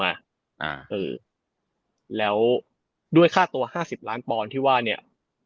อ่าเออแล้วด้วยค่าตัวห้าสิบล้านปอนด์ที่ว่าเนี้ย